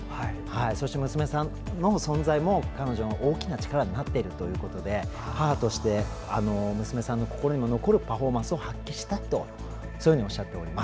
そして娘さんの存在も彼女の大きな力になっているということで母として、娘さんの心にも残るパフォーマンスを発揮したいとおっしゃっております。